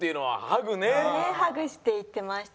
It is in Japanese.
ハグしていってましたね。